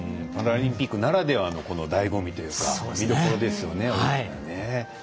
パラリンピックならではのだいご味というか見どころですよね。